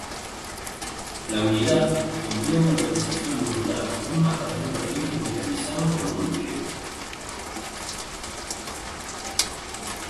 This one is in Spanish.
La unidad emplea una organización modular con un batallón de rifle mecanizado como núcleo.